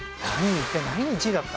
一体何１位だった？